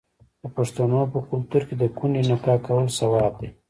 د پښتنو په کلتور کې د کونډې نکاح کول ثواب دی.